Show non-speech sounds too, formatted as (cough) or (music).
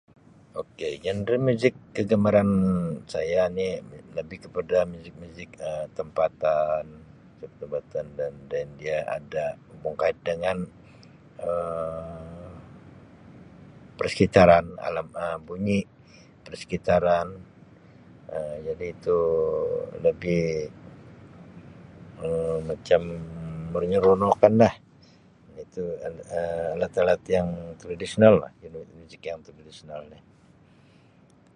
Ok (unintelligible) musik kegemaran saya ni lebih kepada musik-musik Um tempatan. Musik tempatan dan dan dia ada hubung kait dengan Um persekitaran alam Um bunyi persekitaran Um jadi tu lebih Um macam menyeronokan lah. Itu Um alat-alat yang tradisyenel lah. Dia punya musik yang tradisyenel nih.